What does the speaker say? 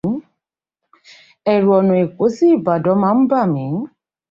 Ẹ̀rù ọ̀nà Èkó sí Ìbàdàn máa ń bà mí.